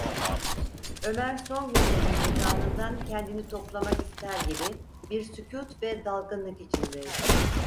Ömer son günlerin buhranından kendini toplamak ister gibi bir sükût ve dalgınlık içindeydi.